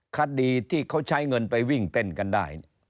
คดีที่เขาใช้เงินไปวิ่งเต้นกันได้